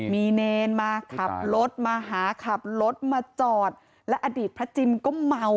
มีเนรมาขับรถมาหาขับรถมาจอดและอดีตพระจิมก็เมา